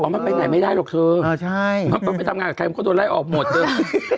อ๋อมันไปไหนไม่ได้หรอกเธอเพราะมันไปทำงานกับใครมันก็โดนไล่ออกหมดเติม